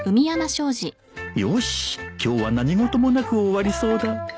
よし今日は何事もなく終わりそうだ